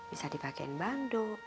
bisa dipakein bandung